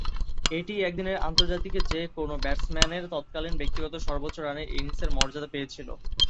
এটিই একদিনের আন্তর্জাতিকে যে-কোন ব্যাটসম্যানের তৎকালীন ব্যক্তিগত সর্বোচ্চ রানের ইনিংসের মর্যাদা পেয়েছিল।